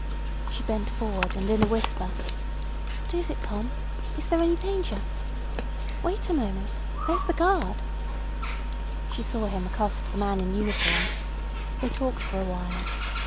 She bent forward, and in a whisper: "What is it, Tom? Is there any danger? Wait a moment. There's the guard." She saw him accost the man in uniform. They talked for a while.